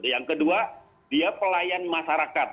yang kedua dia pelayan masyarakat